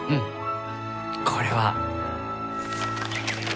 これは。